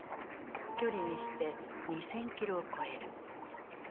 距離にして２，０００キロを超える。